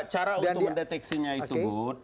cara untuk mendeteksinya itu bu